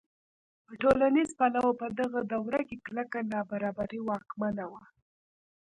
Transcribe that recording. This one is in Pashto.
په ټولنیز پلوه په دغه دوره کې کلکه نابرابري واکمنه وه.